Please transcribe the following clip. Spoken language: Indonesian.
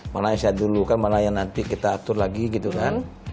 malah yang saya dulu malah yang nanti kita atur lagi gitu kan